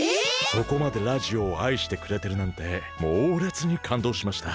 そこまでラジオをあいしてくれてるなんてもうれつにかんどうしました！